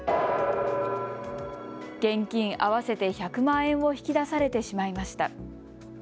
現金合わせて１００万円を引き出されてしまいました。